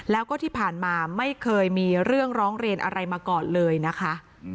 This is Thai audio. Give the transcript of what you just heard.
แล้วก็ที่ผ่านมาไม่เคยมีเรื่องร้องเรียนอะไรมาก่อนเลยนะคะ